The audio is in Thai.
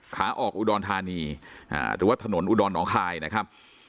ขาออกอุดรธานีหรือว่าถนนอุดรหนองคายนะครับ